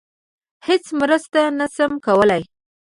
هیڅ مرسته نشم کولی.